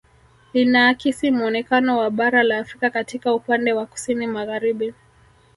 Linaakisi muonekano wa bara la Afrika katika upande wa kusini magharibi